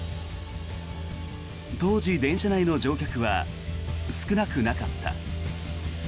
当時、電車内の乗客は少なくなかった。